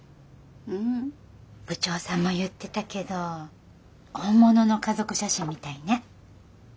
部長さんも言ってたけど本物の家族写真みたいね。